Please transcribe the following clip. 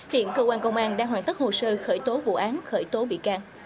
hiện cơ quan công an đang hoàn tất hồ sơ khởi tố vụ án khởi tố bị can